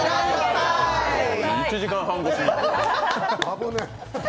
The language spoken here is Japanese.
１時間半越し。